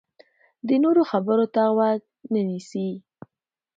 د نورو خبرو ته غوږ نه نیسي.